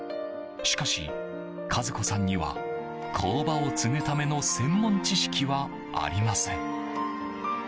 しかし、和子さんには工場を継ぐための専門知識はありません。